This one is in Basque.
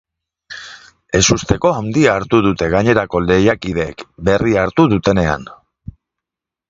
Ezusteko handia hartu dute gainerako lehiakideek berria hartu dutenean.